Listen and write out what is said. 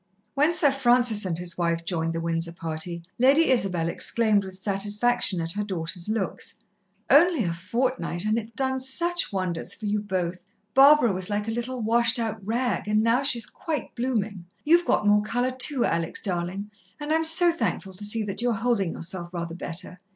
When Sir Francis and his wife joined the Windsor party, Lady Isabel exclaimed with satisfaction at her daughters' looks. "Only a fortnight, and it's done such wonders for you both! Barbara was like a little, washed out rag, and now she's quite blooming. You've got more colour too, Alex, darling, and I'm so thankful to see that you're holdin' yourself rather better.